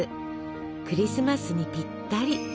クリスマスにぴったり。